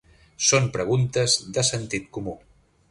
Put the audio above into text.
Són preguntes de sentit comú.